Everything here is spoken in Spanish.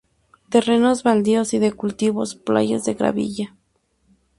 Terrenos baldíos y de cultivos, playas de gravilla.